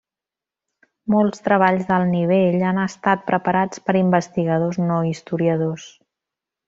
Molts treballs d'alt nivell han estat preparats per investigadors no historiadors.